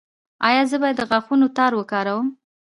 ایا زه باید د غاښونو تار وکاروم؟